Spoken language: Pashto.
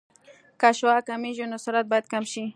که شعاع کمېږي نو سرعت باید کم شي